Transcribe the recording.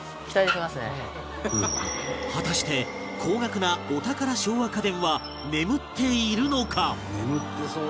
果たして高額なお宝昭和家電は眠っているのか？